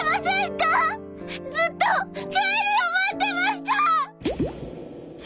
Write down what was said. ずっと帰りを待ってました！